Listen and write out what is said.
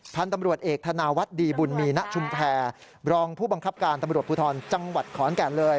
พันธุ์ตำรวจเอกธนาวัฒน์ดีบุญมีณชุมแพรรองผู้บังคับการตำรวจภูทรจังหวัดขอนแก่นเลย